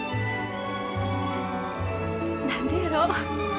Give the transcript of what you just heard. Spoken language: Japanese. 何でやろ。